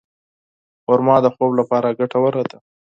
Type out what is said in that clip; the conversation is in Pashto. خرما د خوب لپاره ګټوره ده.